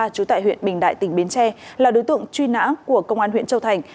trú tại huyện bình đại tỉnh bến tre là đối tượng truy nã của công an huyện châu thành